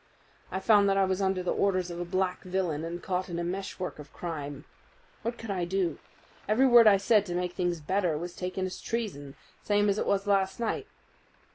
I found that I was under the orders of a black villain and caught in a meshwork of crime. What could I do? Every word I said to make things better was taken as treason, same as it was last night.